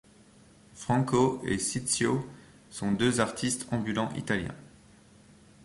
Franco et Ciccio sont deux artistes ambulants italiens.